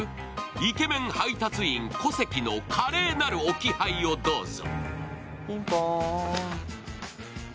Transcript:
イケメン配達員・小関の華麗なる置き配をどうぞ。